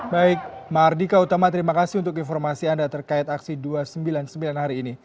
baik mardika utama terima kasih untuk informasi anda terkait aksi dua ratus sembilan puluh sembilan hari ini